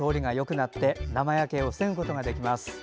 なって生焼けを防ぐことができます。